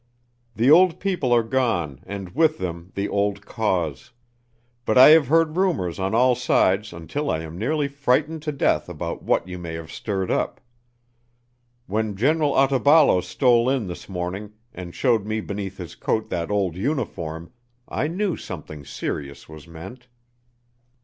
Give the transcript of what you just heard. The old people are gone and with them the old cause. But I have heard rumors on all sides until I am nearly frightened to death about what you may have stirred up. When General Otaballo stole in this morning and showed me beneath his coat that old uniform I knew something serious was meant.